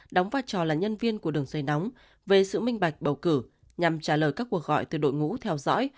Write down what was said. đóng vai trò là nhân viên của đường dây nóng về sự minh bạch bầu cử nhằm trả lời các cuộc gọi từ đội ngũ theo dõi